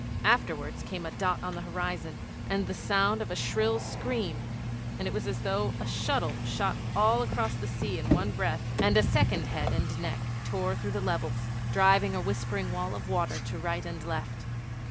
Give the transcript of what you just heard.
Afterwards, came a dot on the horizon and the sound of a shrill scream, and it was as though a shuttle shot all across the sea in one breath, and a second head and neck tore through the levels, driving a whispering wall of water to right and left.